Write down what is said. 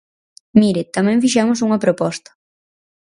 Mire, tamén fixemos unha proposta.